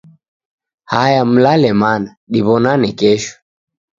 Haya mlale mana. Diw'onane kesho.